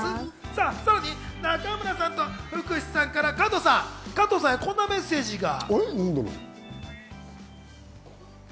さらに中村さんと福士さんから、加藤さんへこんなメッセージが！